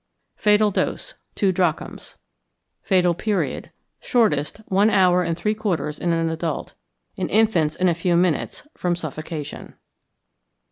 Fatal Dose. Two drachms. Fatal Period. Shortest, one hour and three quarters in an adult; in infants in a few minutes, from suffocation.